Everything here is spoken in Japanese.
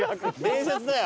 伝説だよ！